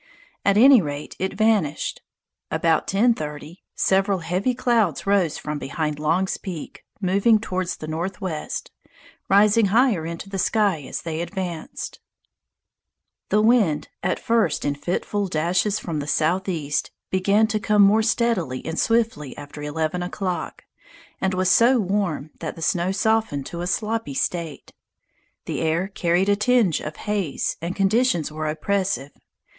At any rate, it vanished. About 10.30 several heavy clouds rose from behind Long's Peak, moving toward the northwest, rising higher into the sky as they advanced. [Illustration: ON THE HEIGHTS] The wind, at first in fitful dashes from the southeast, began to come more steadily and swiftly after eleven o'clock, and was so warm that the snow softened to a sloppy state. The air carried a tinge of haze, and conditions were oppressive.